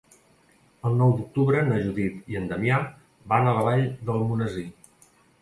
El nou d'octubre na Judit i en Damià van a la Vall d'Almonesir.